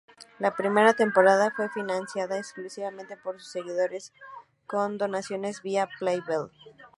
La primera temporada fue financiada exclusivamente por sus seguidores con donaciones vía PayPal.